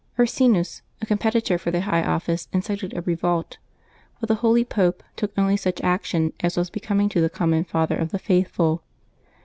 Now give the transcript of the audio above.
Ursinus, a competitor for the high office, incited a revolt, but the holy Pope took only such action as was becoming to the common father of the faithful.